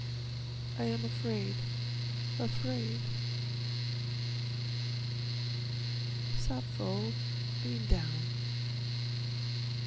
I am afraid, afraid. Sappho, lean down.